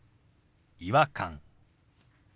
「違和感」。